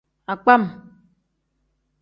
Agbam.